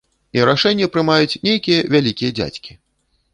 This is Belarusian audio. І рашэнне прымаюць нейкія вялікія дзядзькі.